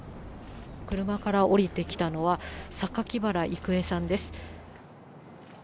車から降りてきたのは、榊原郁恵さんです。